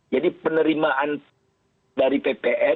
jadi penerimaan dari ppn